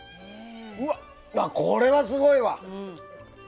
これはすごいわ。